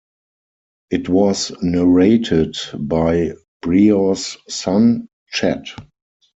It was narrated by Breau's son, Chet.